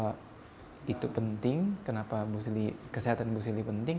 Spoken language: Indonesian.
bahwa itu penting kenapa kesehatan bu sili penting